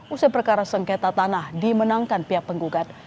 usai perkara sengketa tanah dimenangkan pihak penggugat